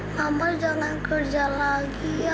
mama jangan kerja lagi ya